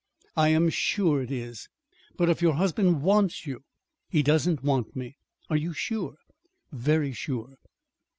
"I am sure it is." "But if your husband wants you " "He doesn't want me." "Are you sure?" "Very sure."